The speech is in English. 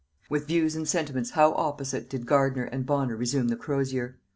With views and sentiments how opposite did Gardiner and Bonner resume the crosier!